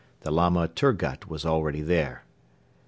The Lama Turgut was already there.